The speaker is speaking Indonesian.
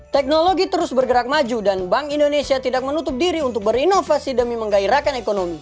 teknologi terus bergerak maju dan bank indonesia tidak menutup diri untuk berinovasi demi menggairahkan ekonomi